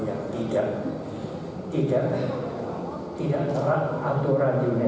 yang tidak terang aturan di unesco itu bisa dibangun penuh